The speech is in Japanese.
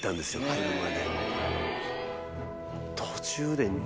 車で。